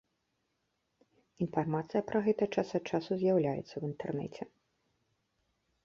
Інфармацыя пра гэта час ад часу з'яўляецца ў інтэрнэце.